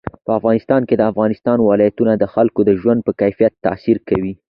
په افغانستان کې د افغانستان ولايتونه د خلکو د ژوند په کیفیت تاثیر کوي.